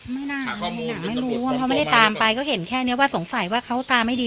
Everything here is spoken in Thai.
ไม่รู้ว่าเขาไม่ได้ตามไปก็เห็นแค่นี้ว่าสงสัยว่าเขาตาไม่ดี